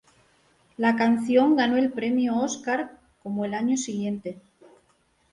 La canción ganó el premio Óscar como el año siguiente.